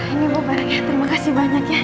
ini bu barangnya terima kasih banyak ya